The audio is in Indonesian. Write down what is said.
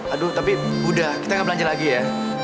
aduh tapi udah kita gak belanja lagi ya